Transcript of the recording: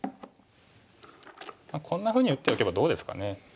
こんなふうに打っておけばどうですかね。